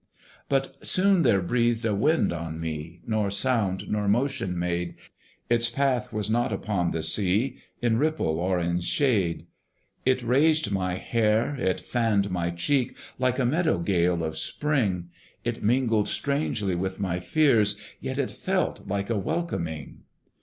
But soon there breathed a wind on me, Nor sound nor motion made: Its path was not upon the sea, In ripple or in shade. It raised my hair, it fanned my cheek Like a meadow gale of spring It mingled strangely with my fears, Yet it felt like a welcoming.